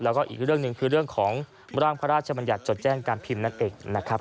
แล้วก็อีกเรื่องหนึ่งคือเรื่องของร่างพระราชบัญญัติจดแจ้งการพิมพ์นั่นเองนะครับ